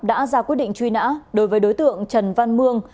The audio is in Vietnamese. đã ra quyết định truy nã đối với đối tượng trần văn mương